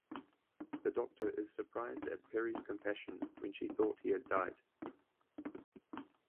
The Doctor is surprised at Peri's compassion when she thought he had died.